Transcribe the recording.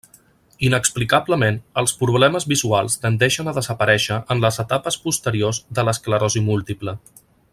Inexplicablement, els problemes visuals tendeixen a desaparèixer en les etapes posteriors de l'esclerosi múltiple.